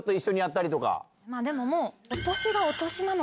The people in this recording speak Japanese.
でももう。